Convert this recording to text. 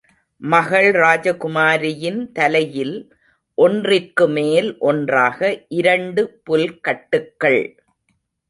மகள் ராஜகுமாரியின் தலையில் ஒன்றிற்கு மேல் ஒன்றாக இரண்டு புல்கட்டுக்கள்.